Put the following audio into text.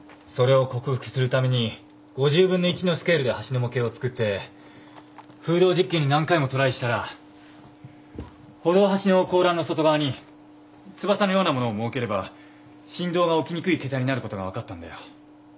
それを克服するために５０分の１のスケールで橋の模型を作って風洞実験に何回もトライしたら歩道端の高欄の外側に翼のような物を設ければ振動が起きにくいけたになることが分かったんだよ。